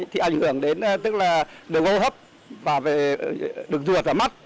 thì ảnh hưởng đến tức là được gấu hấp và được ruột vào mắt